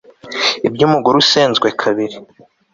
ibyo umugore usenzwe kabiri